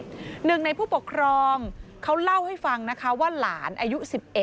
หนึ่งในผู้ปกครองเขาเล่าให้ฟังนะคะว่าหลานอายุ๑๑